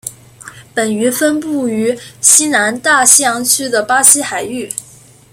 本鱼分布于西南大西洋区的巴西海域。